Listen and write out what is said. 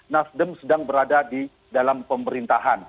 nasdem sedang berada di dalam pemerintahan